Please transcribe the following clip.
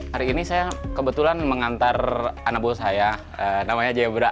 hari ini saya kebetulan mengantar anak buah saya namanya jayabra